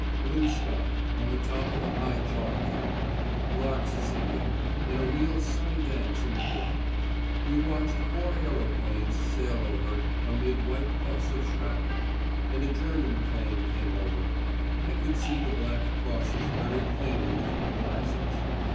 Blue sky, on the top of a high chalk down; larks singing; and a real sunny dance in the air. We watched four aeroplanes sail over, amid white puffs of shrapnel; and a German 'plane came over. I could see the black crosses very plainly with my glasses.